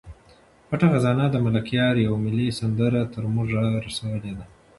پټه خزانه د ملکیار یوه ملي سندره تر موږ را رسولې ده.